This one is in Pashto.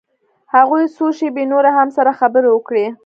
هغوى څو شېبې نورې هم سره خبرې وکړې.